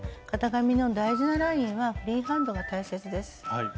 型紙の大事なラインはフリーハンドが大切です。